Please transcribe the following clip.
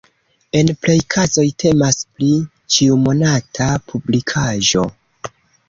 En plej kazoj temas pri ĉiumonata publikaĵo.